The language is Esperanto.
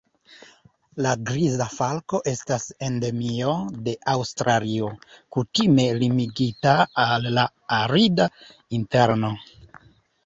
La Griza falko estas endemio de Aŭstralio, kutime limigita al la arida interno.